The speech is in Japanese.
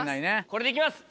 これでいきます！